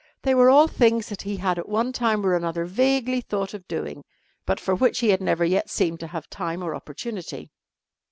They were all things that he had at one time or another vaguely thought of doing, but for which he had never yet seemed to have time or opportunity.